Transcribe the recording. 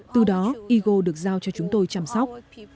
từ đó igo được giao cho chúng tôi chăm sóc